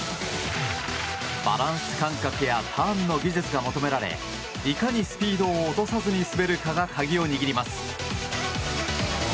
バランス感覚やターンの技術が求められいかにスピードを落とさずに滑るかが鍵を握ります。